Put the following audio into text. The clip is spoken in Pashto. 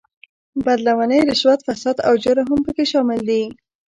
بد لمنۍ، رشوت، فساد او جرم هم په کې شامل دي.